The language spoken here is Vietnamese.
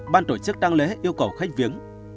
ban tổ chức tăng lễ yêu cầu khách viếng